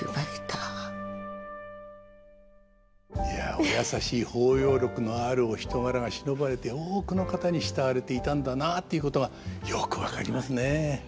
いやお優しい包容力のあるお人柄がしのばれて多くの方に慕われていたんだなっていうことがよく分かりますね。